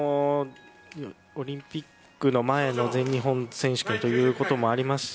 オリンピックの前の全日本選手権ということもありますし